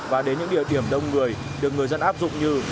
và đến những địa điểm đông người được người dân áp dụng như